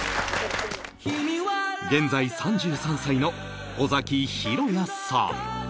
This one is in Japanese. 現在３３歳の尾崎裕哉さん